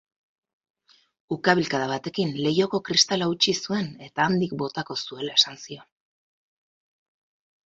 Ukabilkada batekin leihoko kristala hautsi zuen, eta handik botako zuela esan zion.